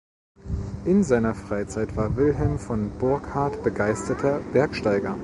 In seiner Freizeit war Wilhelm von Burkhard begeisterter Bergsteiger.